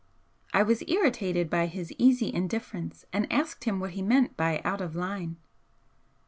I was irritated by his easy indifference and asked him what he meant by 'out of line.'